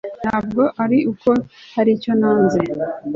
ntabwo ari uko hari icyo nanze